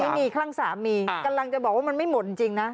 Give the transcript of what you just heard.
ไม่มีคลั่งสามีกำลังจะบอกว่ามันไม่หมดจริงนะ